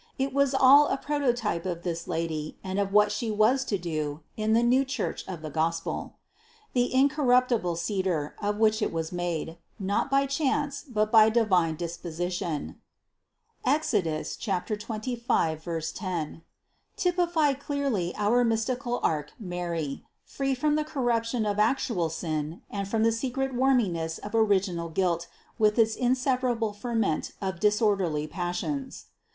It was all a prototype of this Lady and of what She was to do in the new Church of the Gospel. The incorruptible cedar, of which it was made, not by chance, but by divine disposition (Exod. 25, 10), typified clearly our mystical Ark Mary, free from the corruption of actual sin and from the secret worminess of original guilt with its in separable ferment of disorderly passions.